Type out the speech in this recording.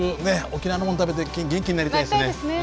沖縄のもの食べて元気になりたいですね。